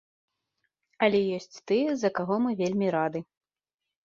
Але ёсць тыя, за каго мы вельмі рады.